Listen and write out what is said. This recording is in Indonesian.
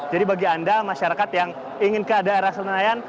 jadi bagi anda masyarakat yang ingin ke daerah senayan